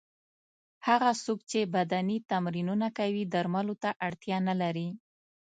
هغه څوک چې بدني تمرینونه کوي درملو ته اړتیا نه لري.